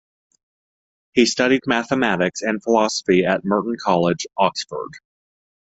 He studied mathematics and philosophy at Merton College, Oxford.